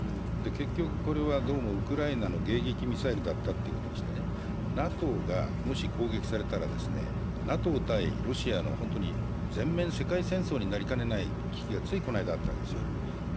結局これはウクライナの迎撃ミサイルだったということにしてＮＡＴＯがもし攻撃されたら、ＮＡＴＯ対ロシアの全面世界戦争になりかねない危機がついこの間あったわけですよ。